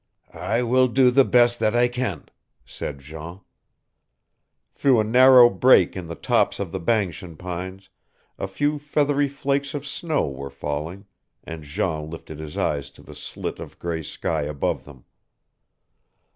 I will do the best that I can," said Jean. Through a narrow break in the tops of the banskian pines a few feathery flakes of snow were falling, and Jean lifted his eyes to the slit of gray sky above them.